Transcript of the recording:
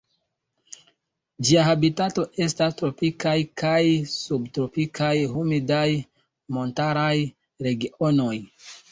Ĝia habitato estas tropikaj kaj subtropikaj humidaj montaraj regionoj.